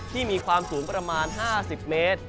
มีความสูงประมาณ๕๐เมตร